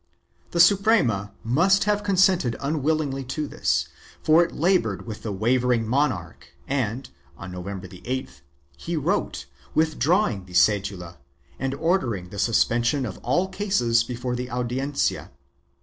The Suprema must have consented unwillingly to this, for it labored with the wavering monarch and, on November 8th, he wrote withdrawing the cedula and ordering the suspension of all cases before the Audiencia.